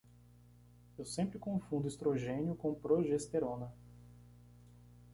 Eu sempre confundo estrogênio com progesterona.